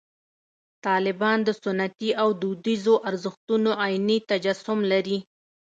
طالبان د سنتي او دودیزو ارزښتونو عیني تجسم لري.